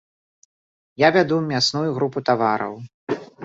Я вяду мясную групу тавараў.